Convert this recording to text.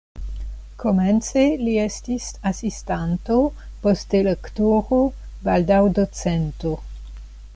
Komence li estis asistanto, poste lektoro, baldaŭ docento.